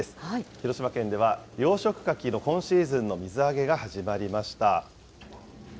広島県では養殖かきの今シーズンの水揚げが始まりました。